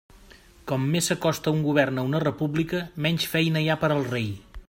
Com més s'acosta un govern a una república, menys feina hi ha per al rei.